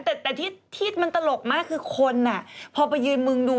แต่ที่มันตลกมากคือคนพอไปยืนมึงดู